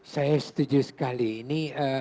saya setuju sekali ini